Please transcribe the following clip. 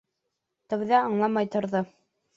Тәүҙә аңламай торҙо.